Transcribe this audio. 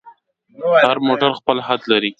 هر موټر خپل حد لري.